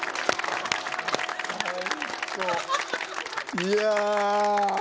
いや！